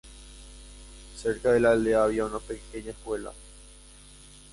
Cerca de la aldea había una pequeña escuela.